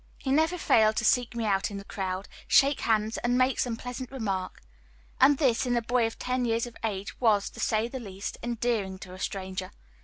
He never failed to seek me out in the crowd, shake hands, and make some pleasant remark; and this, in a boy of ten years of age, was, to say the least, endearing to a stranger.